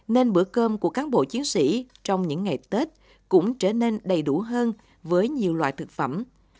nên bữa cơm của cán bộ chiến sĩ trong những ngày tết cũng trở nên đầy đủ hơn với nhiều loại thực phẩm